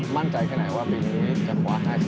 มั่นใจแค่ไหนว่าปีนี้จะคว้า๕๐